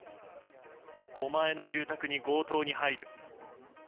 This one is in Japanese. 狛江の住宅に強盗に入る。